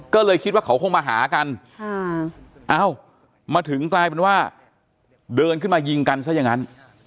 ก็เลยคิดว่าเขาคงมาหากันเอ้ามาถึงกลายเป็นว่าเดินขึ้นมายิงกันซะอย่างนั้น